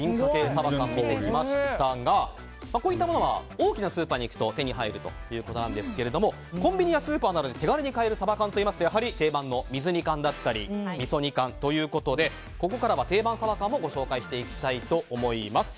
サバ缶を見てきましたがこういったものは大きなスーパーに行くと手に入るということなんですがコンビニやスーパーなどで手軽に買えるサバ缶といいますとやはり定番の水煮缶や、みそ煮缶ということでここからは定番サバ缶もご紹介していきたいと思います。